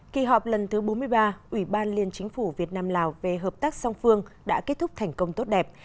kỳ họp lần thứ bốn mươi ba ủy ban liên chính phủ việt nam lào về hợp tác song phương đã kết thúc thành công tốt đẹp